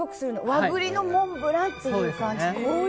和栗のモンブランって感じ。